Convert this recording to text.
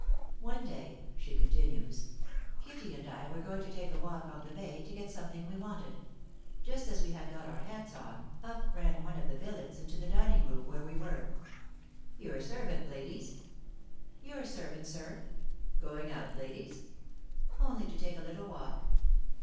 "One day," she continues, "Kitty and I were going to take a walk on the Bay, to get something we wanted. Just as we had got our hats on, up ran one of the Billets into the dining room, where we were. "'Your servant, ladies.' "'Your servant, sir.' "'Going out, ladies?' "'Only to take a little walk.'